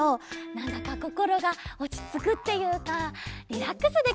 なんだかこころがおちつくっていうかリラックスできるんだよね。